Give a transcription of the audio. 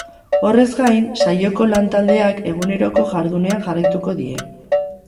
Horrez gain, saioko lan-taldeak eguneroko jardunean jarraituko die.